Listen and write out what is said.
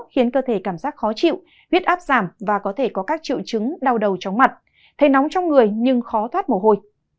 khiến cơ thể cảm giác khó chịu huyết áp giảm và có thể có các triệu chứng đau đầu chóng mặt thấy nóng trong người nhưng khó thoát mồ hôi